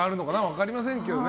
分かりませんけどね。